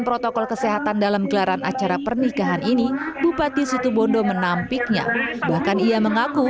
protokol kesehatan dalam gelaran acara pernikahan ini bupati situ bondo menampiknya bahkan ia mengaku